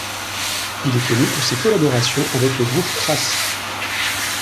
Il est connu pour ses collaborations avec le groupe Crass.